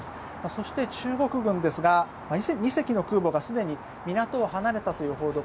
そして、中国軍ですが２隻の空母がすでに港を離れたという報道。